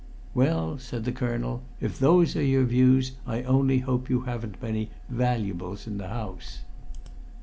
"Well," said the colonel, "if those are your views I only hope you haven't many "valuables" in the house."